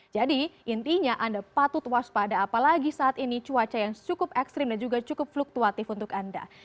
jadi intinya anda patut waspada apalagi saat ini cuaca yang cukup ekstrim dan juga cukup fluktuatif untuk anda